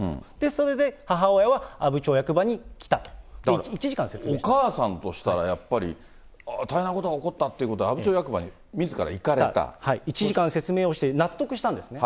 それで母親は阿武町役場に来たと、お母さんとしたらやっぱり、大変なことが起こったということで、１時間説明をして納得したんですね。